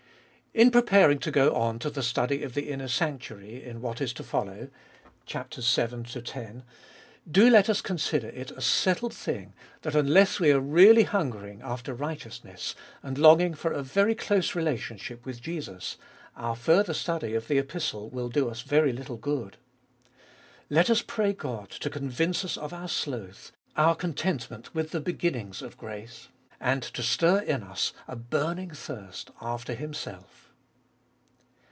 2. In preparing to go on to the study of the inner sanctuary in what is to follow (vii. x.), do let us consider it a settled thing, that unless we are really hungering after righteousness, and longing for a very close fellowship with Jesus, our further study of the Epistle will do us very little good. Let us pray God to convince us of our sloth, our contentment with the beginnings of grace, and to stir in us a burning thirst after Himself.